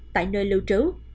tại nơi lưu trú